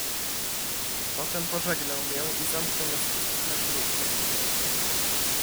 "Potem pożegnał mię i zamknął nas wszystkich na klucz, jak to nieraz czynił."